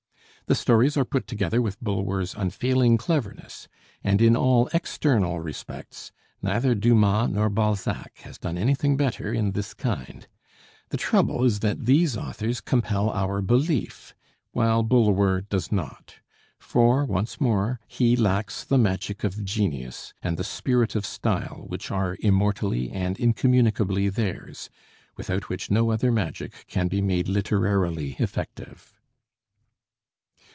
The stories are put together with Bulwer's unfailing cleverness, and in all external respects neither Dumas nor Balzac has done anything better in this kind: the trouble is that these authors compel our belief, while Bulwer does not. For, once more, he lacks the magic of genius and the spirit of style which are immortally and incommunicably theirs, without which no other magic can be made literarily effective.